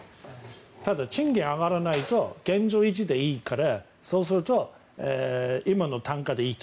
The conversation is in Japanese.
ただ、賃金が上がらないと現状維持でいいからそうすると、今の単価でいいと。